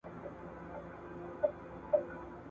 زه او آس یو د یوه غوجل چارپایه ,